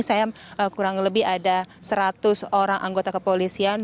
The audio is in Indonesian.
saya kurang lebih ada seratus orang anggota kepolisian